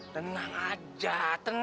tenang aja tenang